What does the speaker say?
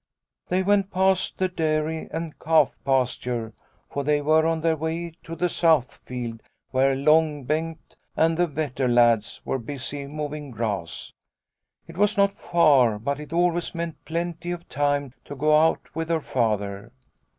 ' They went past the dairy and calf pasture, for they were on their way to the south field where Long Bengt and the Vetter lads were busy mowing grass. It was not far, but it always meant plenty of time to go out with her Father.